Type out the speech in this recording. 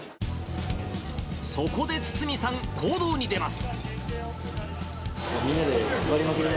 そこで堤さん、行動に出ます。